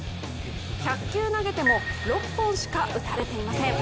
１００球投げても６本しか打たれていません。